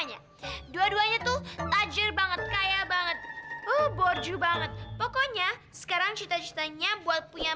ya minggir dong aku mau lewat ya